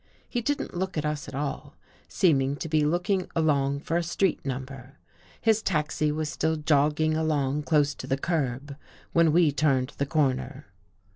He didn't look at us at all, seemed to be looking along for a street number. His taxi was still jogging along close to the curb when we turned the corner.